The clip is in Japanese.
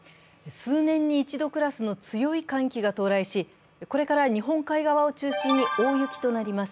数年に一度クラスの強い寒気が到来しこれから日本海側を中心に大雪となります。